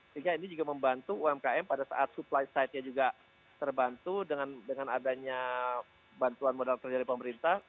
sehingga ini juga membantu umkm pada saat supply side nya juga terbantu dengan adanya bantuan modal kerja dari pemerintah